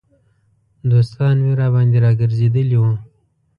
دوستان مې راباندې را ګرځېدلي وو.